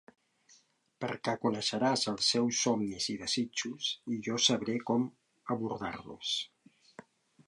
Perquè coneixeràs els seus somnis i desitjos i jo sabré com abordar-los.